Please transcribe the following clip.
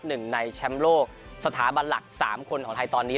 หนึ่งในแชมป์โลกสถาบันหลัก๓คนของไทยตอนนี้